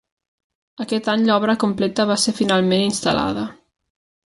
Aquest any l'obra completa va ser finalment instal·lada.